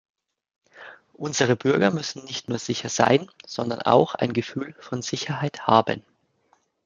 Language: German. Unsere Bürger müssen nicht nur sicher sein, sondern auch ein Gefühl von Sicherheit haben.